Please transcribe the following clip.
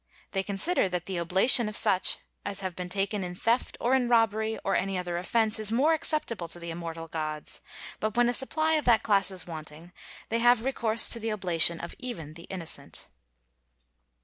They consider that the oblation of such as have been taken in theft, or in robbery, or any other offense, is more acceptable to the immortal gods; but when a supply of that class is wanting, they have recourse to the oblation of even the innocent.